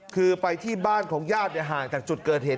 คือไปที่บ้านของญาติห่างจากจุดเกิดเหตุ